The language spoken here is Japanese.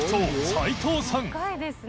齊藤さん）